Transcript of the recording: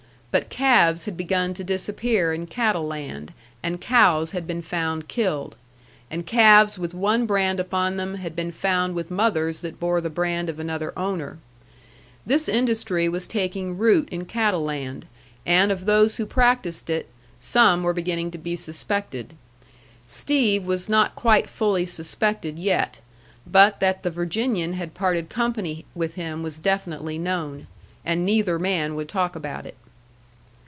But calves had begun to disappear in Cattle Land, and cows had been found killed. And calves with one brand upon them had been found with mothers that bore the brand of another owner. This industry was taking root in Cattle Land, and of those who practised it, some were beginning to be suspected. Steve was not quite fully suspected yet. But that the Virginian had parted company with him was definitely known. And neither man would talk about it.